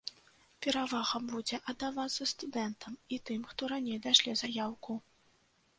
Перавага будзе аддавацца студэнтам і тым, хто раней дашле заяўку.